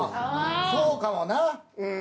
そうかもな！